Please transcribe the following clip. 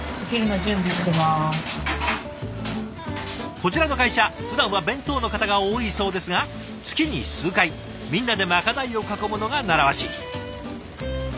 こちらの会社ふだんは弁当の方が多いそうですが月に数回みんなでまかないを囲むのが習わし。